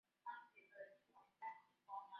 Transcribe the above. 马礼逊学堂是中国第一所西式学堂。